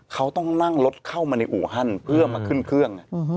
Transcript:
เขาต้องนั่งรถเข้ามาในอู่ฮั่นเพื่อมาขึ้นเครื่อง